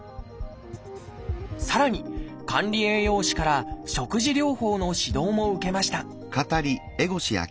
さらに管理栄養士から食事療法の指導も受けました。